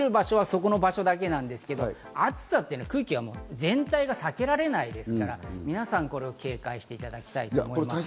そこだけなんですけど、暑さというのは空気全体が避けられないですから、皆さん、これは警戒していただきたいと思います。